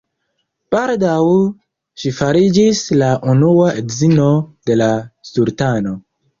Baldaŭ ŝi fariĝis la Unua edzino de la sultano.